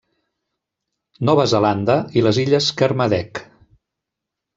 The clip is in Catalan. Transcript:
Nova Zelanda i les illes Kermadec.